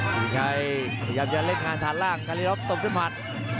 ศรีชัยพยายามจะเล่นงานฐานล่างคารีลบตบด้วยหมัด